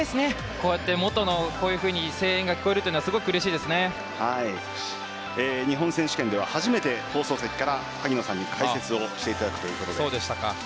こうやって声援が聞こえるというのは日本選手権では初めて萩野さんに解説をしていただくということで。